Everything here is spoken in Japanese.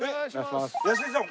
安井さん